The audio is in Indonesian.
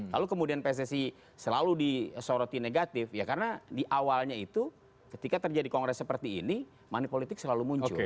lalu kemudian pssi selalu disoroti negatif ya karena di awalnya itu ketika terjadi kongres seperti ini money politik selalu muncul